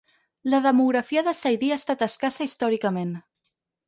La demografia de Saidí ha estat escassa històricament.